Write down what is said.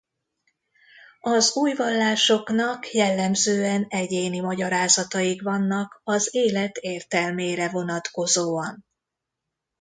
Az új vallásoknak jellemzően egyéni magyarázataik vannak az élet értelmére vonatkozóan.